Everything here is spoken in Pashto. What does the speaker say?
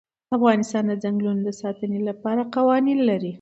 افغانستان د ځنګلونه د ساتنې لپاره قوانین لري.